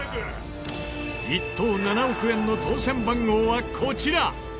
１等７億円の当せん番号はこちら。